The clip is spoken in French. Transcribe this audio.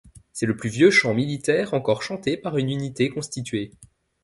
C'est le plus vieux chant militaire encore chanté par une unité constitué.